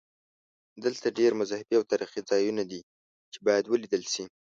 دلته ډېر مذهبي او تاریخي ځایونه دي چې باید ولیدل شي.